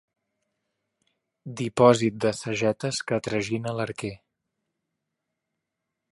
Dipòsit de sagetes que tragina l'arquer.